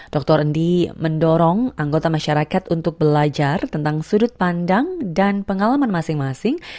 dr endi mendorong anggota masyarakat untuk belajar tentang sudut pandang dan pengalaman masing masing